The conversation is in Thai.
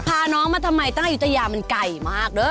พาน้องมาทำไมตั้งว่าอยู่ใบใยมาก